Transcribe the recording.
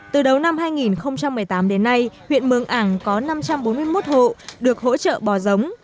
từ đầu năm hai nghìn một mươi tám đến nay huyện mường ảng có năm trăm bốn mươi một hộ được hỗ trợ bò giống